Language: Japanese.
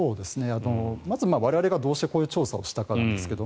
まず我々がどうしてこういう調査をしたかなんですが